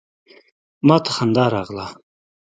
ما ته خندا راغله.